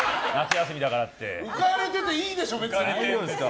浮かれてていいでしょ、別に。